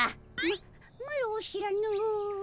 ママロ知らぬ。